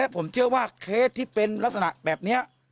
ผมเชื่อว่าเคสที่เป็นลักษณะแบบนี้